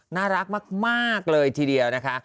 น่ารักมากเลยทีเดียวนะคะ